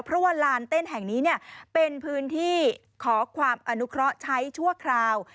เพราะว่าลานเต้นแห่งนี้เป็นพื้นที่ขอความอนุเคราะห์ใช้ชั่วคราว